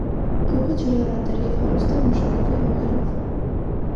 Գյուղը ջրառատ էր և հարուստ էր մշակովի հողերով։